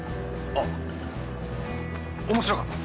あっ面白かった